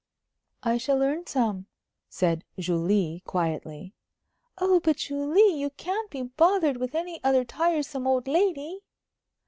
"I shall earn some," said Julie, quietly. "Oh, but, Julie, you can't be bothered with any other tiresome old lady!"